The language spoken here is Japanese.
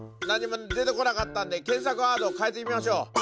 何も出てこなかったんで検索ワードを変えてみましょう！